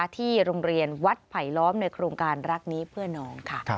ที่โรงเรียนวัดไผลล้อมในโครงการรักนี้เพื่อน้องค่ะ